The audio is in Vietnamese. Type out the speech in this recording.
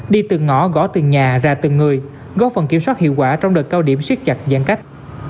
đi từ ngõ gõ từ nhà ra từ người góp phần kiểm soát hiệu quả trong đợt cao điểm siết chặt giãn cách